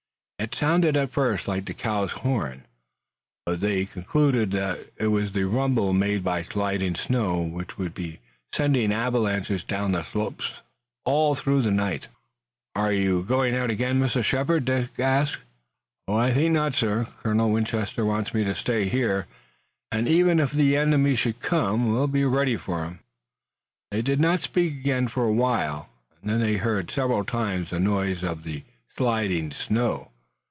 It sounded at first like the cow's horn, but they concluded that it was the rumble, made by sliding snow, which would be sending avalanches down the slopes all through the night. "Are you going out again, Mr. Shepard?" Dick asked. "I think not, sir. Colonel Winchester wants me to stay here, and, even if the enemy should come, we'll be ready for him." They did not speak again for a while and they heard several times the noise of the sliding snow.